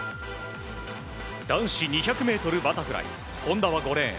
男子２００ｍバタフライ本多は５レーン。